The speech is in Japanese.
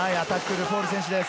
ルフォール選手です。